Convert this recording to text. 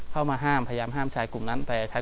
กลับมาที่สุดท้ายและกลับมาที่สุดท้าย